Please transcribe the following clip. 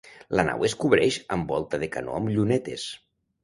La nau es cobreix amb volta de canó amb llunetes.